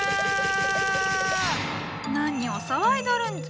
何を騒いどるんじゃ。